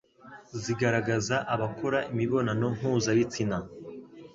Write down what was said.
zigaragaza abakora imibonano mpuzabitsina,